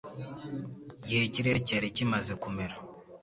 Igihe ikirere cyari kimaze kumera